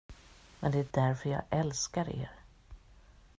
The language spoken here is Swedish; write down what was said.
Men det är därför jag älskar er.